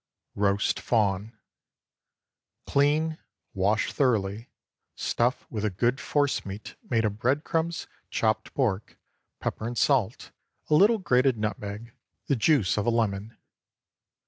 ROAST FAWN. Clean, wash thoroughly; stuff with a good force meat made of bread crumbs, chopped pork, pepper and salt, a little grated nutmeg, the juice of a lemon.